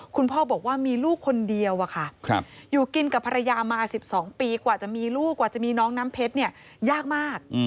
คุณพ่อบอกว่ามีลูกคนเดียวอยู่กินกับภรรยามา๑๒ปีกว่าจะมีลูกกว่าจะมีน้องน้ำเพชรยากมาก